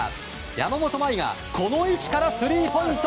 山本麻衣がこの位置からスリーポイント。